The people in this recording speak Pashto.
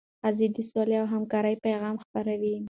ښځې د سولې او همکارۍ پیغام خپروي.